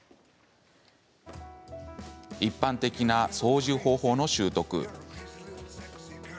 一般的な掃除方法の習得。